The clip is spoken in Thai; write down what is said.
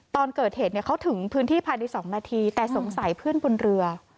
ตอนเกิดเหตุเขาถึงพื้นที่ภายใน๒นาทีแต่สงสัยเพื่อนบนเรือ